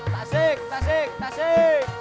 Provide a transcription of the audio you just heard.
tasik tasik tasik